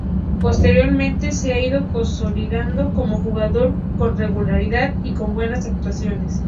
Posteriormente se ha ido consolidando como un jugador con regularidad y con buenas actuaciones.